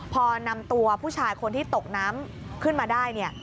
พอนำตัวผู้ชายคนที่ตกน้ำขึ้นมาได้เนี่ย